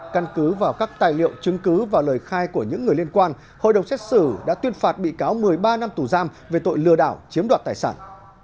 căn cứ vào các tài liệu chứng cứ và lời khai của những người liên quan hội đồng xét xử đã tuyên phạt bị cáo một mươi ba năm tù giam về tội lừa đảo chiếm đoạt tài sản